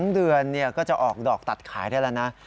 ๒เดือนก็จะออกดอกตัดขายได้แล้วนะ